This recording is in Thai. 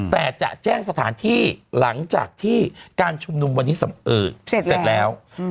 แต่จะแจ้งสถานที่หลังจากที่การชุมนุมวันนี้เสร็จแล้ว